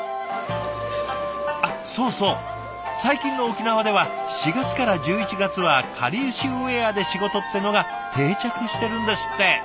あっそうそう最近の沖縄では４月から１１月はかりゆしウェアで仕事ってのが定着してるんですって！